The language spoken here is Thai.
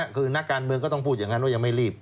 คือนักการเมืองก็ต้องพูดอย่างนั้นว่ายังไม่รีบ